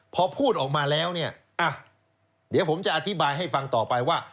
พอพูดออกมาแล้วเนี่ยเดี๋ยวผมจะอธิบายให้ฟังต่อไปว่า